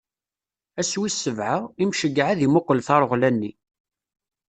Ass wis sebɛa, Imceyyeɛ ad imuqel tareɣla-nni.